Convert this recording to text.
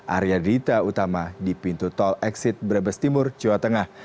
arya dita utama di pintu tol exit brebes timur jawa tengah